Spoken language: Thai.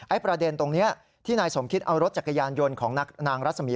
ประเด็นตรงนี้ที่นายสมคิตเอารถจักรยานยนต์ของนางรัศมี